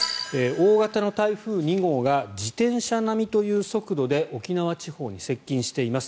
大型台風２号が自転車並みという速度で沖縄地方に接近しています。